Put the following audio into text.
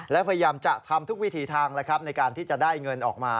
และพยายามจะทำทุกวิถีทางในการที่จะได้เงินออกมา